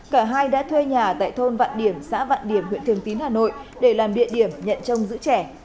cả hai đã thuê nhà tại thôn vạn điểm xã vạn điểm huyện thường tín hà nội để làm địa điểm nhận trông giữ trẻ